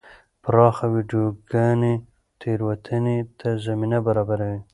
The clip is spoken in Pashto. پراخه ویډیوګانې تېروتنې ته زمینه برابروي.